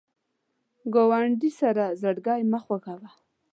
ګاونډي سره زړګی مه خوږوه